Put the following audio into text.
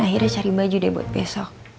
akhirnya cari baju deh buat besok